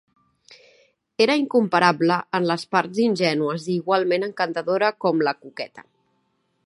Era incomparable en les parts ingènues i igualment encantadora com la coqueta.